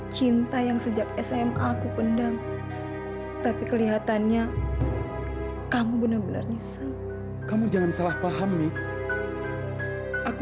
cinta yang sejak sma aku pendang tapi kelihatannya kamu benar benar nyesel kamu jangan salah paham nih aku